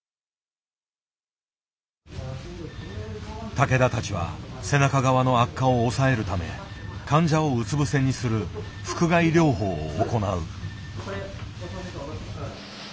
竹田たちは背中側の悪化を抑えるため患者をうつぶせにする「腹臥位療法」を行う。